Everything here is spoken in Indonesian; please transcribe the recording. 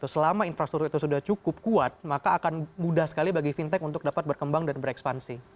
selama infrastruktur itu sudah cukup kuat maka akan mudah sekali bagi fintech untuk dapat berkembang dan berekspansi